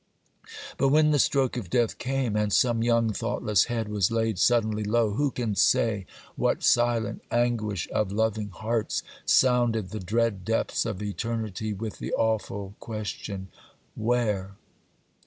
But when the stroke of death came, and some young, thoughtless head was laid suddenly low, who can say what silent anguish of loving hearts sounded the dread depths of eternity with the awful question, _Where?